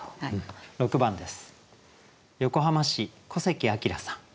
６番です。